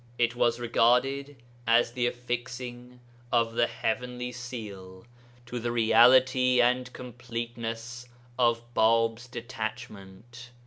It was regarded as the affixing of the heavenly seal to the reality and completeness of Bāb's detachment.